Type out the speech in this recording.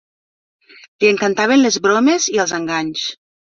Li encantaven les bromes i els enganys.